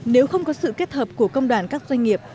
nếu không có sự kết hợp của công đoàn các doanh nghiệp